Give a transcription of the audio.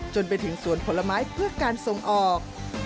จนไปถึงสวนผลไม้เพื่อการส่งออก